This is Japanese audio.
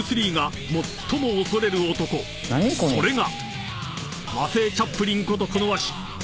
［それが］